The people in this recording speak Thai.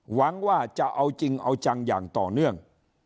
หวังว่าจะเอาจริงเอาจังอย่างต่อเนื่อง